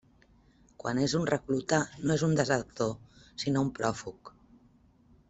Quan és un recluta, no és un desertor, sinó un pròfug.